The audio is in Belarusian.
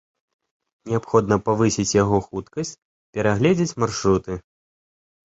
Неабходна павысіць яго хуткасць, перагледзець маршруты.